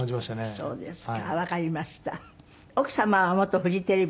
あっそうですか。